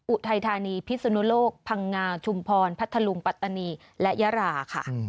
อุทัยธานีพิศนุโลกพังงาชุมพรพัทธลุงปัตตานีและยาราค่ะ